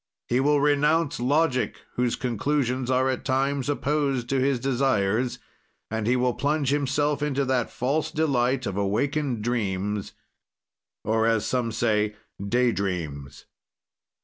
"He will renounce logic, whose conclusions are, at times, opposed to his desires, and he will plunge himself into that false delight of awakened dreams, or, as some say, day dreams.